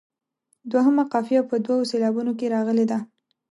دوهمه قافیه په دوو سېلابونو کې راغلې ده.